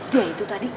dia itu tadi